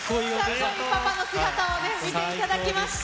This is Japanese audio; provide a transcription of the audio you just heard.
かっこいいパパの姿をね、見ていただきました。